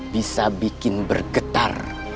bisa bikin bergetar